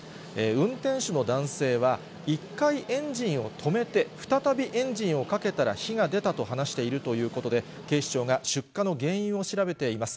運転手の男性は、１回エンジンを止めて、再びエンジンをかけたら火が出たと話しているということで、警視庁が出火の原因を調べています。